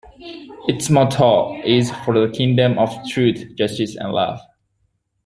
Its motto is 'For the Kingdom of Truth, Justice and Love'.